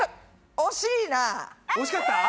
おしかった？